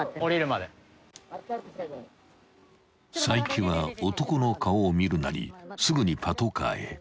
［齋木は男の顔を見るなりすぐにパトカーへ］